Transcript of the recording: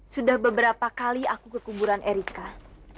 dua pemerposa dibunuh